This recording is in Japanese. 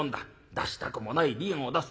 出したくもない離縁を出す。